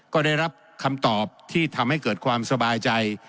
ก็ได้รับคำตอบที่ทำให้เกิดความสบายใจ